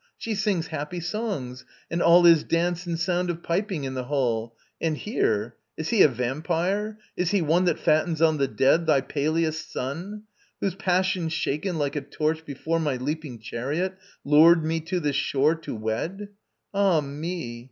She sings happy songs, and all Is dance and sound of piping in the hall; And here ... Is he a vampyre, is he one That fattens on the dead, thy Peleus' son Whose passion shaken like a torch before My leaping chariot, lured me to this shore To wed " Ah me!